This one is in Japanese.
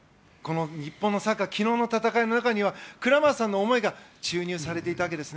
日本のサッカー昨日の戦いの中にはクラマーさんの思いが注入されていたわけです。